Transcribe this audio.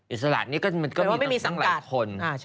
อิสระนี้ก็มีเนื้อทั้งหลายคน